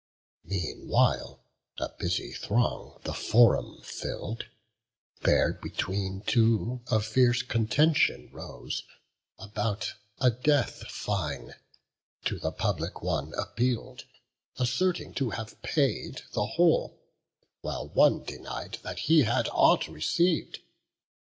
Meanwhile a busy throng the forum fill'd: There between two a fierce contention rose, About a death fine; to the public one Appeal'd, asserting to have paid the whole; While one denied that he had aught receiv'd.